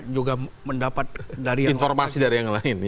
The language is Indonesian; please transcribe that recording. juga mendapat dari informasi dari yang lain